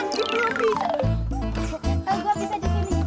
kalau gue bisa di sini